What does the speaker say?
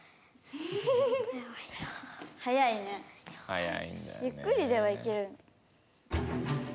ゆっくりではいける。